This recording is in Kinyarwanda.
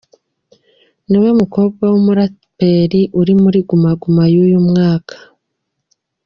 Niwe mukobwa w’ Umuraperi uri muri Guma Guma y’ uyu mwaka